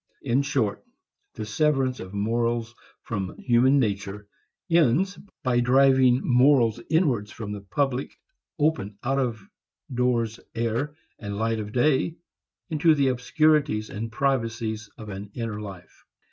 In short, the severance of morals from human nature ends by driving morals inwards from the public open out of doors air and light of day into the obscurities and privacies of an inner life.